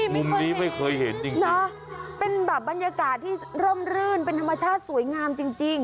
มุมนี้ไม่เคยเห็นจริงนะเป็นแบบบรรยากาศที่ร่มรื่นเป็นธรรมชาติสวยงามจริงจริง